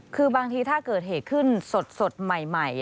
คือบางทีถ้าเกิดเหตุขึ้นสดใหม่